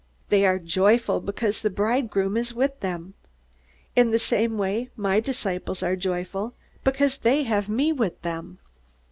They are joyful because the bridegroom is with them. In the same way my disciples are joyful because they have me with them."